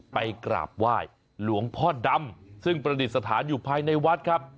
ไปกราบไหว้หลวงพ่อดำซึ่งประดิษฐานอยู่ภายในวัดครับ